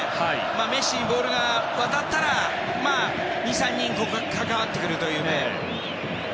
メッシにボールが渡ったら２３人関わってくるという。